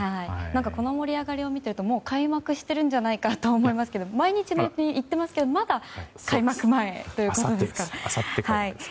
この盛り上がりを見ているともう開幕しているんじゃないかと思いますけど毎日のように言っていますけどまだ開幕前ですからね。